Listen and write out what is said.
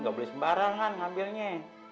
gak boleh sembarangan ngambilnya